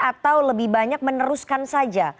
atau lebih banyak meneruskan saja